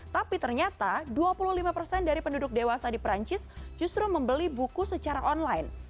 tapi ternyata dua puluh lima persen dari penduduk dewasa di perancis justru membeli buku secara online